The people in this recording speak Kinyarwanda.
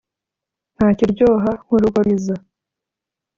nta kiryoha nk’urugo rwiza